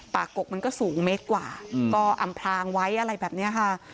กกมันก็สูงเมตรกว่าก็อำพลางไว้อะไรแบบนี้ค่ะ